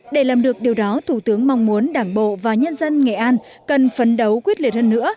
để làm được điều đó thủ tướng mong muốn đảng bộ và nhân dân nghệ an cần phấn đấu quyết liệt hơn nữa